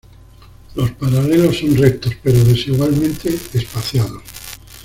Los paralelos son rectos pero desigualmente espaciados.